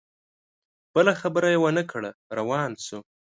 بله خبره یې ونه کړه روان سو